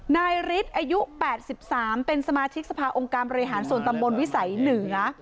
นายฤทธิ์อายุ๘๓เป็นสมาชิกสภาองค์การบริหารส่วนตำบลวิสัยเหนือ